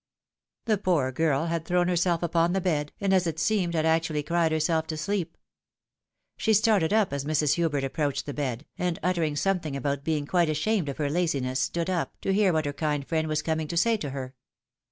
The poor girl had thrown herself upon the bed, and, as it seemed, had actually cried herself to sleep. She started up as Mrs. Hubert approached the bed, and uttering something about being quite ashamed of her laziness, stood up, to hear wiiat her kind friend was come to say to her.